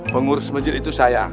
pengurus masjid itu saya